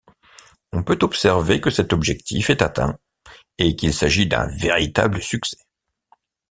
On peut observer que cet objectif est atteint et qu'il s'agit d'un véritable succès.